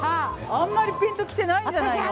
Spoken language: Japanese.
あんまりピンときてないんじゃないの？